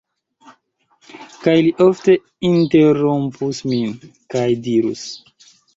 Kaj li ofte interrompus min, kaj dirus: